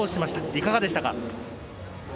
いかがでしたか？